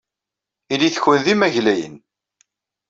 Ilit-ken d imaglayen.